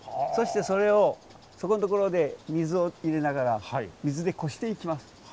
そしてそれをそこんところで水を入れながら水でこしていきます。